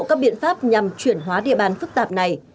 các biện pháp nhằm chuyển hóa địa bàn phức tạp này